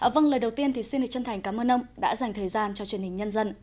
vâng lời đầu tiên thì xin được chân thành cảm ơn ông đã dành thời gian cho truyền hình nhân dân